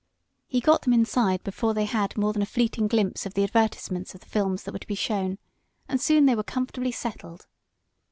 He got them inside before they had more than a fleeting glimpse of the advertisements of the films that were to be shown, and soon they were comfortably settled.